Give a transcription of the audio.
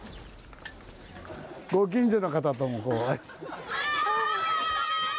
ご近所の方ともこう。